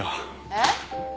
えっ？